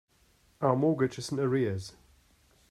Our mortgage is in arrears.